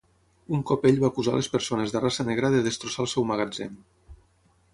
Un cop ell va acusar les persones de raça negra de destrossar el seu magatzem.